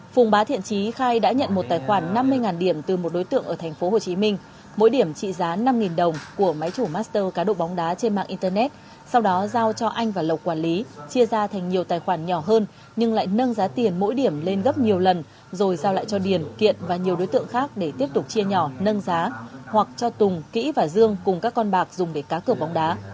phùng bá thiện trí khai đã nhận một tài khoản năm mươi điểm từ một đối tượng ở thành phố hồ chí minh mỗi điểm trị giá năm đồng của máy chủ master cá độ bóng đá trên mạng internet sau đó giao cho anh và lộc quản lý chia ra thành nhiều tài khoản nhỏ hơn nhưng lại nâng giá tiền mỗi điểm lên gấp nhiều lần rồi giao lại cho điền kiện và nhiều đối tượng khác để tiếp tục chia nhỏ nâng giá hoặc cho tùng kĩ và dương cùng các con bạc dùng để cá cửa bóng đá